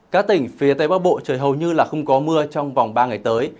các tỉnh phía tây bắc bộ trời hầu như là không có mưa trong vòng ba ngày tới